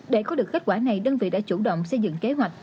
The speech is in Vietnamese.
để có được kết quả này đơn vị đã chủ động xây dựng kế hoạch